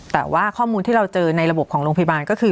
แต่ว่าข้อมูลที่เราเจอในระบบของโรงพยาบาลก็คือ